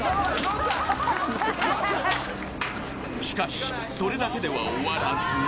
［しかしそれだけでは終わらず］